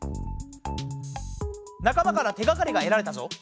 なか間から手がかりがえられたぞ。